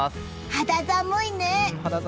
肌寒いね。